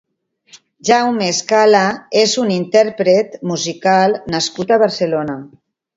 Jaume Escala és un intérpret musical nascut a Barcelona.